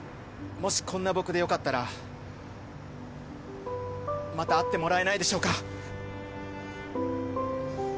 もしこんな僕でよかったらまた会ってもらえないでしょうか？